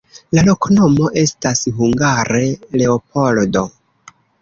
La loknomo estas hungare: Leopoldo.